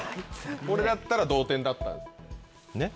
これだったら同点だったねっ。